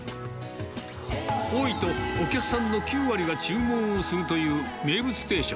多いとお客さんの９割が注文をするという名物定食。